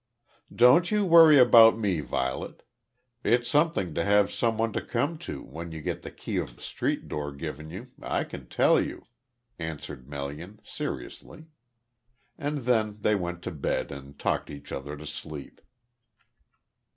"Don't you worry about me, Violet. It's something to have some one to come to when you get the key of the street door given you, I can tell you," answered Melian, seriously. And then they went to bed and talked each other to sleep.